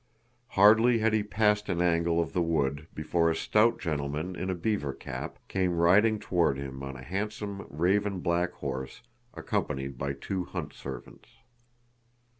Hardly had he passed an angle of the wood before a stout gentleman in a beaver cap came riding toward him on a handsome raven black horse, accompanied by two hunt servants.